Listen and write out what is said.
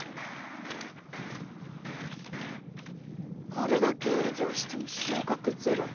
これだけ営業しても収穫ゼロ。